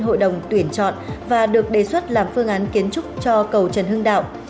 hội đồng tuyển chọn và được đề xuất làm phương án kiến trúc cho cầu trần hưng đạo